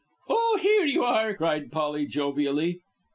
"Oh! here you are," cried Polly, jovially.